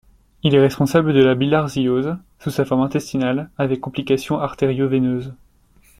Il est responsable de la bilharziose, sous sa forme intestinale avec complications artério-veineuses.